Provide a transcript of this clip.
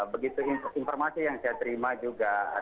begitu informasi yang saya terima juga